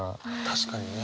確かにね。